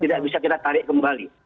tidak bisa kita tarik kembali